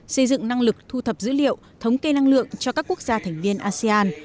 xây dựng năng lực thu thập dữ liệu thống kê năng lượng cho các quốc gia thành viên asean